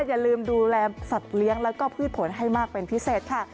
อย่าลืมดูแลสัตว์เลี้ยงแล้วก็พืชผลให้มากเป็นพิเศษค่ะ